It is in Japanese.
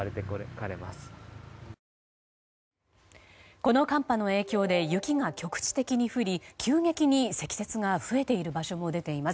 この寒波の影響で雪が局地的に降り急激に積雪が増えている場所も出ています。